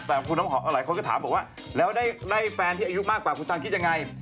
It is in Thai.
แต่หลายคนก็ถามบอกว่าแล้วได้แฟนที่อายุมากกว่าคุณจังคิดยังไง